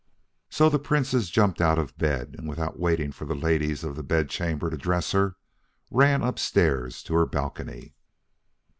So the Princess jumped out of bed, and without waiting for the ladies of the bedchamber to dress her, ran upstairs to her balcony.